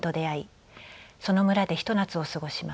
その村で一夏を過ごします。